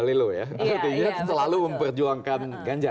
selalu memperjuangkan ganja